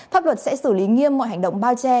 pháp luật sẽ xử lý nghiêm mọi hành động bao che